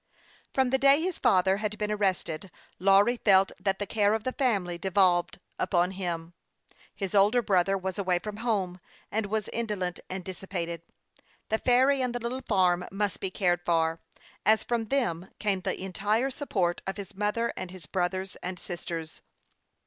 From the day his father had been arrested, Lawry felt that the care of the family devolved upon him. His older brother was away from home, and was indolent and dissipated. The ferry and the little farm must be cared for, as from them came the entire support of his mother and his brothers and sisters.